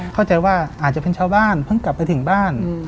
เข้าใจว่าอาจจะเป็นชาวบ้านเพิ่งกลับไปถึงบ้าน